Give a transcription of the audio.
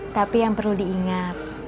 tapi yang perlu diingat